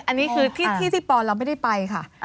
อันนี้คือที่ที่ปอนเราไม่ได้ไปค่ะ